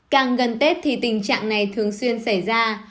càng gần tết thì tình trạng này thường xuyên xảy ra